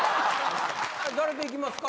誰といきますか？